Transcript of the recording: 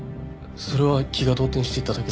それは気が動転していただけで。